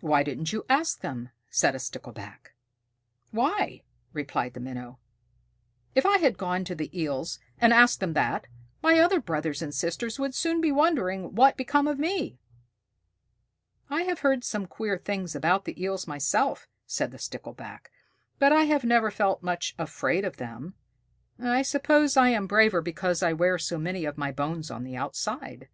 "Why didn't you ask them?" said a Stickleback. "Why?" replied the Minnow. "If I had gone to the Eels and asked them that, my other brothers and sisters would soon be wondering what had become of me." "I have heard some queer things about the Eels myself," said the Stickleback, "but I have never felt much afraid of them. I suppose I am braver because I wear so many of my bones on the outside."